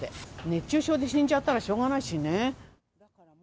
熱中症で死んじゃったらしょうがないしね。